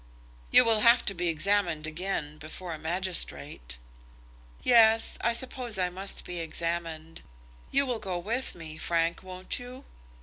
"You will have to be examined again before a magistrate." "Yes; I suppose I must be examined. You will go with me, Frank, won't you?"